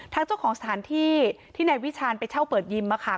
เจ้าของสถานที่ที่นายวิชาณไปเช่าเปิดยิมค่ะ